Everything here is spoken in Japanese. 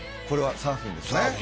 これはサーフィンですね？